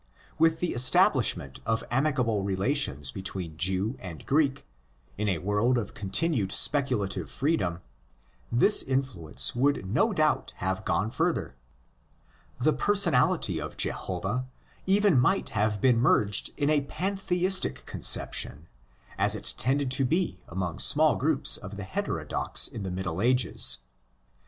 With the establishment of amicable relations between Jew and Greek, in a world of continued speculative freedom, this influence would no doubt have gone further. The personality of Jehovah even might have been merged in a pantheistic conception, as 16 tended to be among small groups of the heterodox in the Middle Ages.